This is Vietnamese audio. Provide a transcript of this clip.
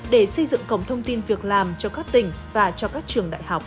để xây dựng cổng thông tin việc làm cho các tỉnh và cho các trường đại học